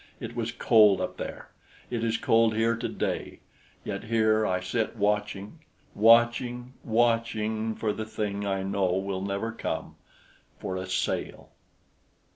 It was cold up there. It is cold here today; yet here I sit watching, watching, watching for the thing I know will never come for a sail.